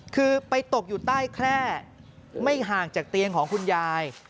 คือไปตกอยู่ใต้แคร่ไม่ห่างจากเตียงของคุณยาย